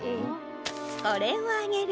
これをあげる。